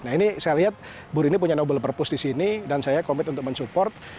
nah ini saya lihat bu rini punya nobel purpose di sini dan saya komit untuk mensupport